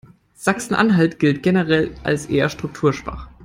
Sachsen-Anhalt gilt generell als eher strukturschwach.